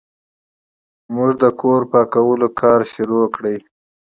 موږ د کور پاکولو کار پیل کړ.